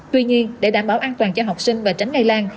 tuy nhiên để đảm bảo an toàn cho học sinh và tránh lây lan